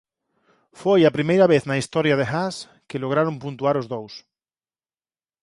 Foi a primeira vez na historia de Haas que lograron puntuar os dous.